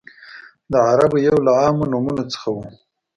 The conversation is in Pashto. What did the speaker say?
د عربو یو له عامو نومونو څخه و.